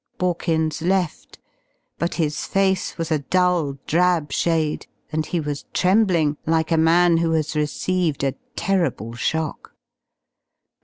Borkins left. But his face was a dull drab shade and he was trembling like a man who has received a terrible shock.